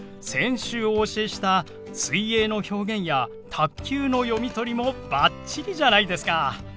先週お教えした「水泳」の表現や「卓球」の読み取りもバッチリじゃないですか！